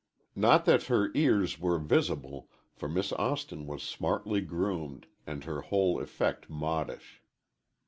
Not that her ears were visible, for Miss Austin was smartly groomed and her whole effect modish.